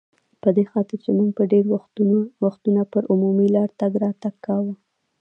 په دې خاطر چې موږ به ډېری وختونه پر عمومي لار تګ راتګ کاوه.